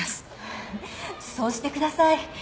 そうしてください。